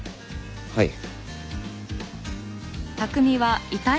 はい。